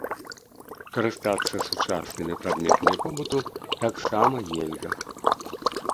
Карыстацца сучаснымі прадметамі побыту таксама нельга.